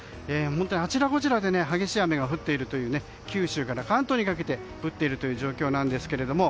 あちらこちらで激しい雨が降っているという九州から関東にかけて降っている状況です。